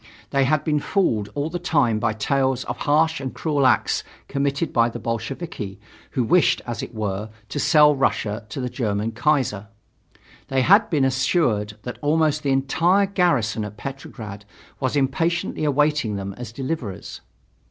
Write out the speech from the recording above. They had been fooled all the time by tales of harsh and cruel acts committed by the Bolsheviki, who wished, as it were, to sell Russia to the German Kaiser. They had been assured that almost the entire garrison at Petrograd was impatiently awaiting them as deliverers.